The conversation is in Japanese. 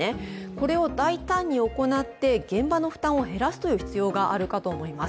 これを大胆に行って現場の負担を減らすという必要があるかと思います。